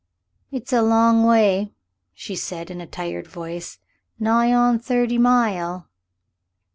"It's a long way," she said, in a tired voice; "nigh on thirty mile."